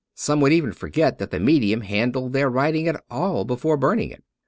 Some would even forget that the medium handled their writing at all before burning it.